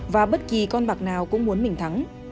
và bất kỳ con bạc nào cũng muốn mình thắng